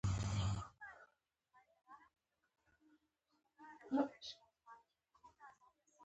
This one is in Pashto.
آیا د ځمکې کیناستل یو خطر نه دی؟